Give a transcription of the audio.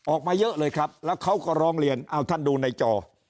ออกมาเยอะเลยครับแล้วเขาก็ร้องเรียนเอาท่านดูในจอ